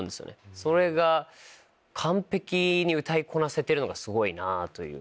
それが完璧に歌いこなせてるのがすごいなぁという。